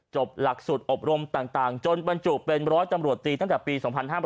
จบหลักสูตรอบรมต่างจนบรรจุเป็นร้อยตำรวจตีตั้งแต่ปี๒๕๕๘